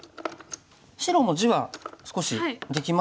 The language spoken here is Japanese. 白も地は少しできますが。